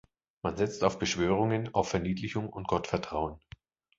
Man setzt auf Beschwörungen, auf Verniedlichung und Gottvertrauen.